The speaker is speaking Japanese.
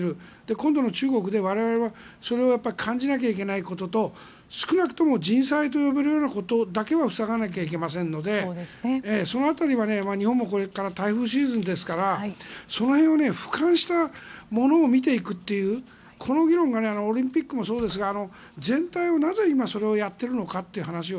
今度の中国で、我々は感じなきゃいけないことと少なくとも人災と呼べるようなことだけは防がないといけないのでその辺りは、日本もこれから台風シーズンですからその辺を、俯瞰した物を見ていくというこの議論がオリンピックもそうですが全体で、なぜ今それをやっているかという話を